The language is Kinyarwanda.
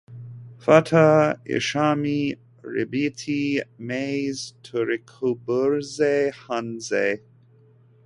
fata ishami ryibiti maze turikubuze hanze